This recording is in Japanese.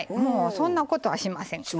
そんなことはしません。